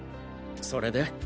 それで？